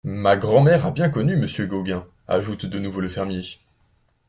Ma grand’mère a bien connu Monsieur Gauguin, ajoute de nouveau le fermier.